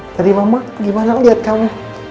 tadi mama lagi malam liat kamu